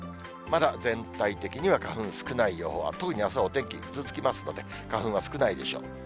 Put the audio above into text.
まだ全体的には、花粉少ない予報、特にあすはお天気、くずつきますので花粉は少ないでしょう。